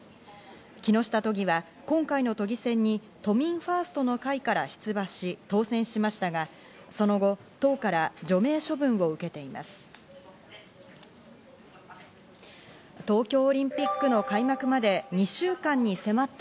木下都議は今回の都議選に都民ファーストの会から出馬し当選しましたが、その後、党から除名処分を受けていました。